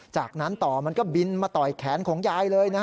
จากนั้นต่อมันก็บินมาต่อยแขนของยายเลยนะฮะ